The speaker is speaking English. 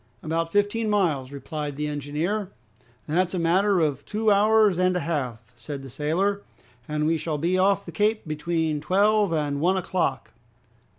"About fifteen miles," replied the engineer. "That's a matter of two hours and a half," said the sailor, "and we shall be off the Cape between twelve and one o'clock.